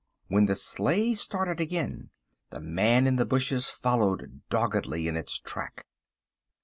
When the sleigh started again the man in the bushes followed doggedly in its track.